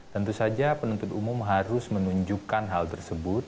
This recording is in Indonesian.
tentu saja penuntut umum harus menunjukkan hal tersebut